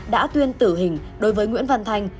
đã tuyên tử hình đối với nguyễn văn thành